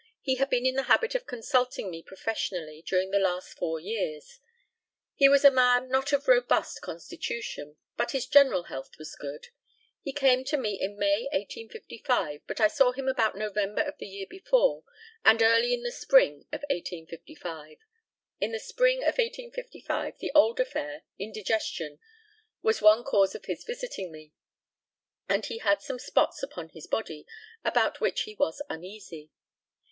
He had been in the habit of consulting me professionally during the last four years. He was a man, not of robust constitution; but his general health was good. He came to me in May, 1855, but I saw him about November of the year before, and early in the spring of 1855. In the spring of 1855 the old affair indigestion was one cause of his visiting me, and he had some spots upon his body, about which he was uneasy.